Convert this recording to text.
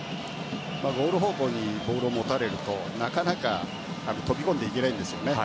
ゴール方向にボールを持たれるとなかなか飛び込んでいけないんですよね。